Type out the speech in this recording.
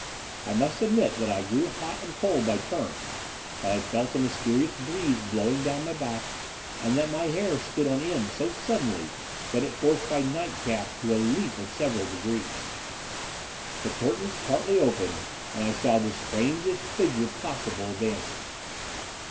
I must admit that I grew hot and cold by turns, that I felt a mysterious breeze blowing down my back, and that my hair stood on end so suddenly that it forced my night cap to a leap of several degrees. The curtains partly opened, and I saw the strangest figure possible advancing.